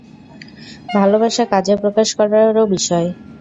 ভালোবাসা কাজে প্রকাশ করারও বিষয়।